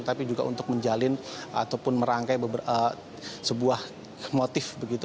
tapi juga untuk menjalin ataupun merangkai sebuah motif begitu